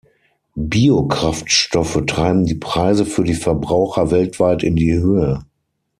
Biokraftstoffe treiben die Preise für die Verbraucher weltweit in die Höhe.